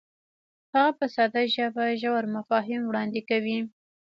هغه په ساده ژبه ژور مفاهیم وړاندې کوي.